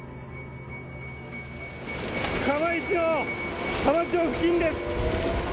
釜石の浜町付近です。